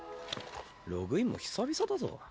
ログインも久々だぞ。